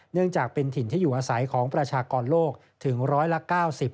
เนื่องจากเป็นถิ่นที่อยู่อาศัยของประชากรโลกถึงร้อยละ๙๐